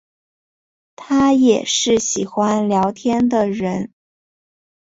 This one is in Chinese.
她也是喜欢聊天的人